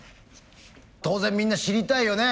当然みんな知りたいよね。